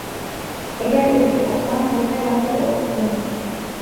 ئەگەر ئۆزى ئوقۇغان بولسا ياخشى ئوقۇپتۇ.